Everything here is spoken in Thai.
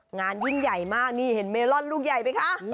งานยิ่งใหญ่มากนี่เห็นเมลอนลูกใหญ่ไหมคะ